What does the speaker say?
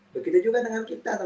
begitu juga dengan kita